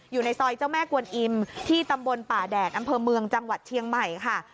อยู่ในซอยเจ้าแม่กวนอิมที่ตำบลป่าแดดอำเภอเมืองจังหวัดเชียงใหม่ค่ะ